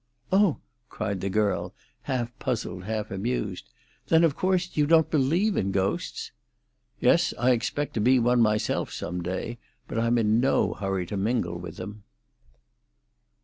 "Oh!" cried the girl, half puzzled, half amused. "Then of course you don't believe in ghosts?" "Yes; I expect to be one myself some day. But I'm in no hurry to mingle with them."